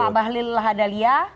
pak bahlil lahadalia